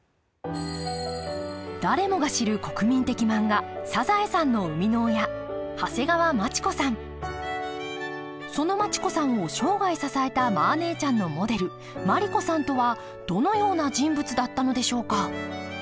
誰もが知る国民的漫画「サザエさん」の生みの親その町子さんを生涯支えたマー姉ちゃんのモデル毬子さんとはどのような人物だったのでしょうか。